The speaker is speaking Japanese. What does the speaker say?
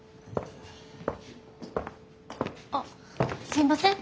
あっすいません